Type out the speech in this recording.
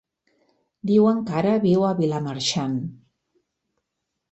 Diuen que ara viu a Vilamarxant.